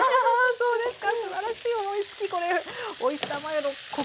そうですね。